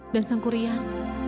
dan sang kurian